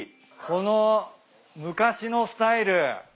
この昔のスタイル。